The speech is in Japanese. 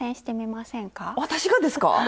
私がですか⁉